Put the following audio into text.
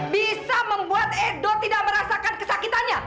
bisa membuat edo tidak merasakan kesakitannya